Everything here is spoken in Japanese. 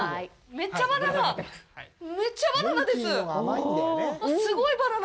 めっちゃバナナ！